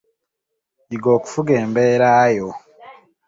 Yiga okufuga embeera yo.